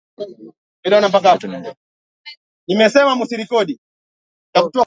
Jicho la London ambalo sasa linajumuisha vituo vya